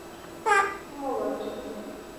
Simolândia